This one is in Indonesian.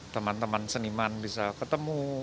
teman teman seniman bisa ketemu